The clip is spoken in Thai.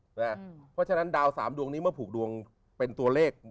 เพราะฉะนั้นดาว๓ดวงนี้เมื่อผูกดวงเป็นตัวเลข